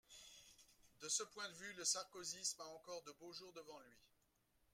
De ce point de vue, le sarkozysme a encore de beaux jours devant lui.